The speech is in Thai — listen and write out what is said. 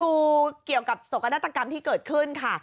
ดูเกี่ยวกับโศกนาฏกรรมที่เกิดขึ้นค่ะ